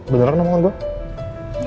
bener gak omongan gue